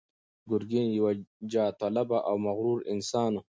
ګرګين يو جاه طلبه او مغرور انسان و.